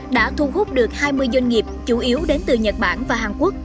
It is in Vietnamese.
đã thu hút được hai mươi doanh nghiệp chủ yếu đến từ nhật bản và hàn quốc